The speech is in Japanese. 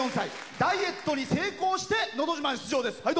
ダイエットに成功して「のど自慢」出場です。